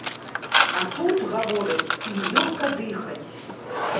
А тут, гавораць, ім лёгка дыхаць.